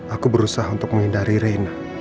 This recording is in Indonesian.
aku berusaha untuk menghindari reina